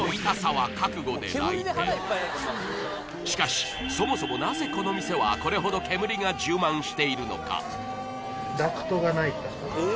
しかしそもそもなぜこの店はこれほど煙が充満しているのか？